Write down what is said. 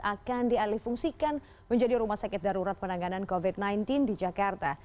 akan dialih fungsikan menjadi rumah sakit darurat penanganan covid sembilan belas di jakarta